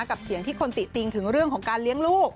กับเสียงที่คนติติงถึงเรื่องของการเลี้ยงลูก